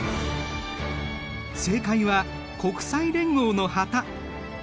正解は国際連合の旗。